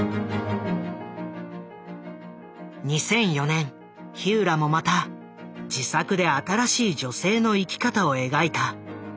２００４年ひうらもまた自作で新しい女性の生き方を描いた。